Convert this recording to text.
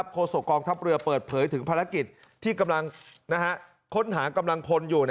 โศกองทัพเรือเปิดเผยถึงภารกิจที่กำลังค้นหากำลังพลอยู่